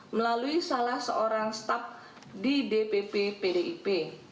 melalui salah seorang staff di dpp pdip